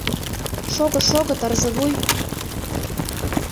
Шого-шого, Тарзывуй!